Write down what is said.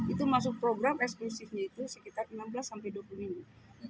itu masuk program eksklusifnya itu sekitar enam belas sampai dua puluh minggu